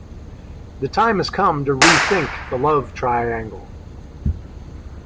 The time has come to rethink the love triangle.